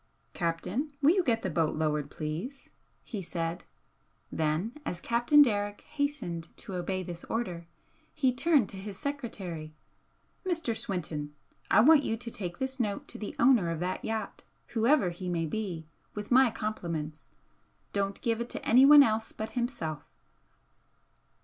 "Captain, will you get the boat lowered, please?" he said then, as Captain Derrick hastened to obey this order, he turned to his secretary: "Mr. Swinton, I want you to take this note to the owner of that yacht, whoever he may be, with my compliments. Don't give it to anyone else but himself."